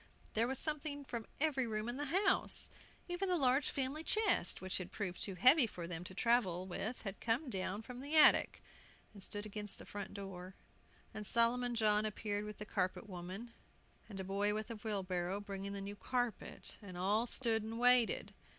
There was something from every room in the house! Even the large family chest, which had proved too heavy for them to travel with had come down from the attic, and stood against the front door. And Solomon John appeared with the carpet woman, and a boy with a wheelbarrow, bringing the new carpet. And all stood and waited.